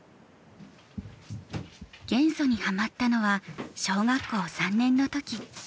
元素にハマったのは小学校３年の時。